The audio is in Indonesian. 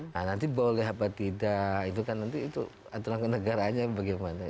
nah nanti boleh apa tidak itu kan nanti itu aturan kenegaraannya bagaimana